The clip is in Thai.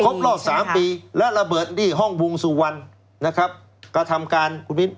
รอบสามปีและระเบิดที่ห้องวงสุวรรณนะครับกระทำการคุณมิ้น